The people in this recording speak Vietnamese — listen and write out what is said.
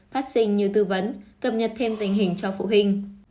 phát sinh như tư vấn cập nhật thêm tình hình cho phụ huynh